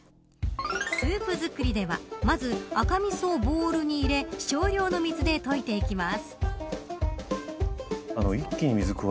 スープ作りではまず赤みそをボールに入れ少量の水で溶いていきます。